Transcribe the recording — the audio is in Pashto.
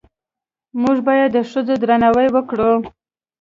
موږ باید د ښځو درناوی وکړو